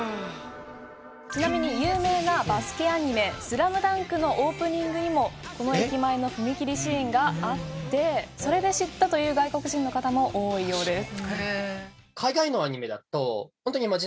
ちなみに有名なバスケアニメ『ＳＬＡＭＤＵＮＫ』のオープニングにもこの駅前の踏切シーンがあってそれで知ったという外国人の方も多いようです。